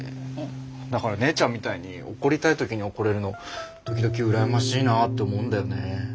だから姉ちゃんみたいに怒りたい時に怒れるの時々羨ましいなって思うんだよね。